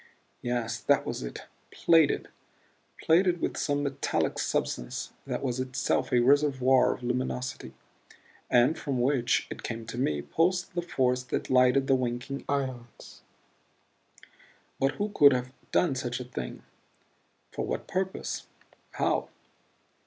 Yes, that was it plated. Plated with some metallic substance that was itself a reservoir of luminosity and from which, it came to me, pulsed the force that lighted the winking ions. But who could have done such a thing? For what purpose? How?